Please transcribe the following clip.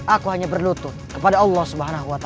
aku hanya berlutun kepada allah swt